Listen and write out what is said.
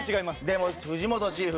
でも藤本チーフ